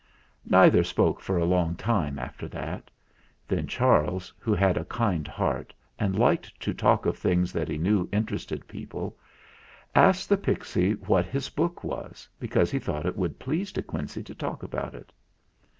' Neither spoke for a long time after that; then Charles, who had a kind heart and liked to talk of things that he knew interested peo DE QUINCEY 101 pie, asked the pixy what his book was, be cause he thought it would please De Quincey to talk about it.